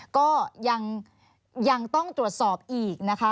ก็ยังต้องตรวจสอบอีกนะคะ